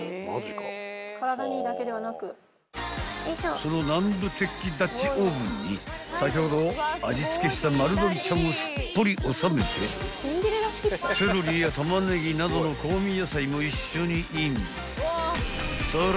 ［その南部鉄器ダッチオーブンに先ほど味付けした丸鶏ちゃんをすっぽり収めてセロリや玉ねぎなどの香味野菜も一緒にイン］